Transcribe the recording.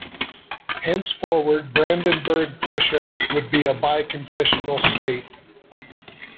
Henceforward, Brandenburg-Prussia would be a bi-confessional state.